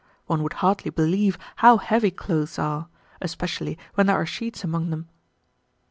One would hardly believe how heavy clothes are, especially when there are sheets among them.